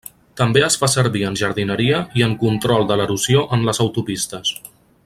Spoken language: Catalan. També es fa servir en jardineria i en control de l’erosió en les autopistes.